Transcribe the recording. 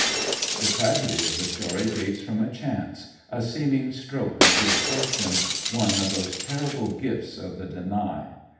The tragedy of the story dates from a chance, a seeming stroke of good fortune, one of those terrible gifts of the Danai.